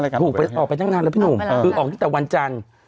อะไรกันถูกไปออกไปตั้งนานแล้วพี่หนุ่มออกไปแล้วคือออกจากวันจันทร์